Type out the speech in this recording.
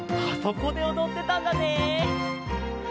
あそこでおどってたんだね。